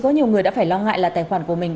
có nhiều người đã phải lo ngại là tài khoản của mình